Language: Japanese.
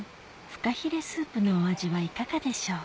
フカヒレスープのお味はいかがでしょう？